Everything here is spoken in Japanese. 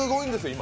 今。